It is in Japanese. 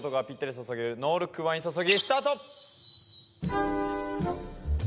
注げるノールックワイン注ぎ。